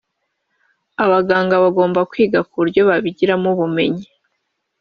abaganga bagomba kwiga ku buryo babigiramo ubumenyi